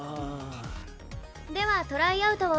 ではトライアウトを。